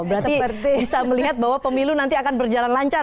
berarti bisa melihat bahwa pemilu nanti akan berjalan lancar